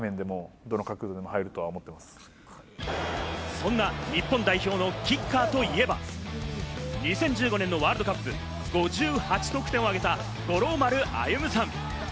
そんな日本代表のキッカーといえば、２０１５年のワールドカップ、５８得点をあげた、五郎丸歩さん。